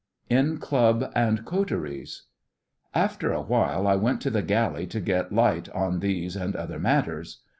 IN CLUB AND COTERIES After a while I went to the galley to get light on these and other matters.